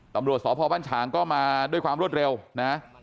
ตำรวจสพบ้านฉางก็มาด้วยความรวดเร็วนะ